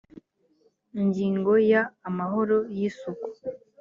ingingo ya amahoro y isuku